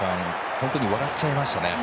本当に笑っちゃいましたね。